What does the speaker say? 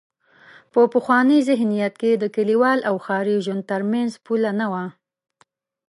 په پخواني ذهنیت کې د کلیوال او ښاري ژوند تر منځ پوله نه وه.